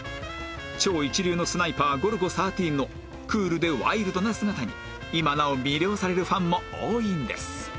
超一流のスナイパーゴルゴ１３のクールでワイルドな姿に今なお魅了されるファンも多いんです